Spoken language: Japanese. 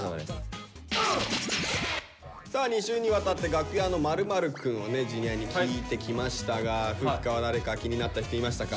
さあ２週にわたって「楽屋の○○くん」をＪｒ．に聞いてきましたがふっかは誰か気になった人いましたか？